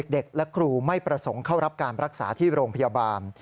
เด็กและครูไม่ประสงค์เข้ารับการรักษาที่โรงพยาบาล